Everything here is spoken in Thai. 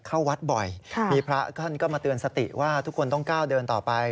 เข้าวัดบ่อยมีพระท่านก็มาเตือนสติว่าทุกคนต้องก้าวเดินต่อไป